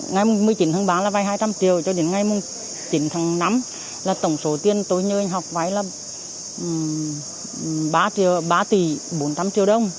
ngày một mươi chín tháng ba là vai hai trăm linh triệu cho đến ngày một mươi chín tháng năm là tổng số tiền tôi như anh học vai là ba tỷ bốn trăm linh triệu đồng